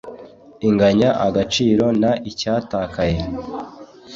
inganya agaciro n icyatakaye